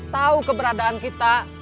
tau keberadaan kita